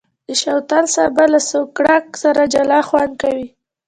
د شوتل سابه له سوکړک سره جلا خوند کوي.